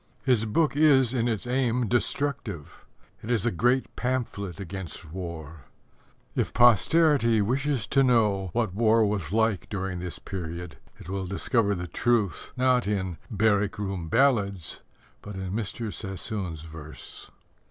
His book is in its aim destructive. It is a great pamphlet against war. If posterity wishes to know what war was like during this period, it will discover the truth, not in Barrack room Ballads, but in Mr. Sassoon's verse.